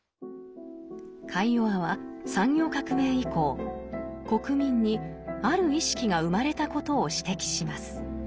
カイヨワは産業革命以降国民にある意識が生まれたことを指摘します。